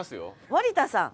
森田さん。